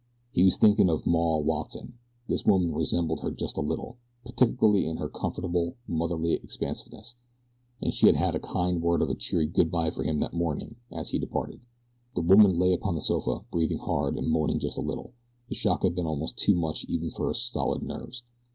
He was thinking of "Maw" Watson. This woman resembled her just a little particularly in her comfortable, motherly expansiveness, and she had had a kind word and a cheery good bye for him that morning as he had departed. The woman lay upon the sofa, breathing hard, and moaning just a little. The shock had been almost too much even for her stolid nerves.